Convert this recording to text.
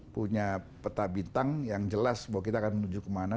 punya peta bintang yang jelas bahwa kita akan menuju kemana